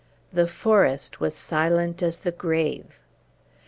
The forest was silent as the grave.